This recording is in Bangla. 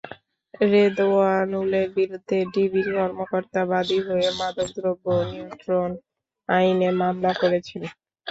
রেদওয়ানুলের বিরুদ্ধে ডিবির কর্মকর্তা বাদী হয়ে মাদকদ্রব্য নিয়ন্ত্রণ আইনে মামলা করেছেন।